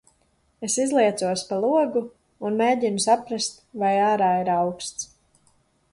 Es izliecos pa logu, un mēģinu saprast, vai ārā ir auksts.